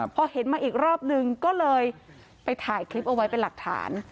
พอเห็นมาอีกรอบนึงก็เลยไปถ่ายคลิปเอาไว้เป็นหลักฐาน